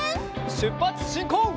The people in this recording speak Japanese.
しゅっぱつしんこう！